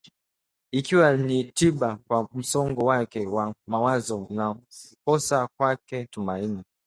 Ilikuwa ni tiba kwa msongo wake wa mawazo na kukosa kwake tumaini